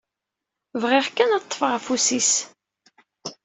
Bɣiɣ kan ad ṭṭfeɣ afus-is.